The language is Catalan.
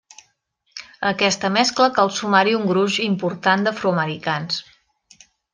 A aquesta mescla cal sumar-hi un gruix important d'afroamericans.